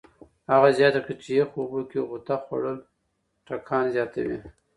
هغه زیاته کړه چې یخو اوبو کې غوطه خوړل ټکان زیاتوي.